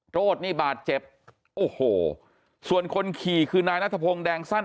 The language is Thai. โรธนี่บาดเจ็บโอ้โหส่วนคนขี่คือนายนัทพงศ์แดงสั้น